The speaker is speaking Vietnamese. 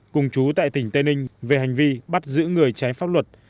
cùng chú tại tỉnh tây ninh về hành vi bắt giữ người trái pháp luật